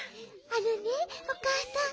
あのねおかあさん